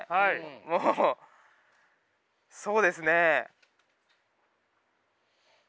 もうそうですね。